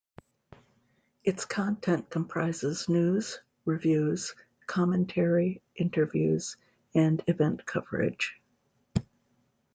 Its content comprises news, reviews, commentary, interviews, and event coverage.